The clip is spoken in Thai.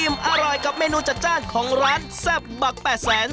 อร่อยกับเมนูจัดจ้านของร้านแซ่บบัก๘แสน